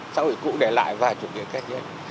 sau đó cụ để lại vào chủ nghĩa cá nhân